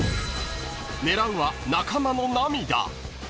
［狙うは中間の涙］